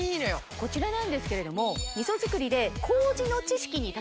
こちらなんですけれども味噌造りで。